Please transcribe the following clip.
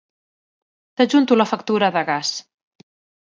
T'adjunto la factura de gas